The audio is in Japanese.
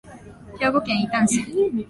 兵庫県伊丹市